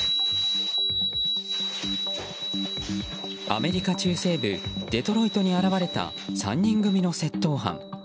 アメリカ中西部デトロイトに現れた３人組の窃盗犯。